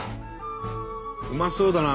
うまそうだなこれ。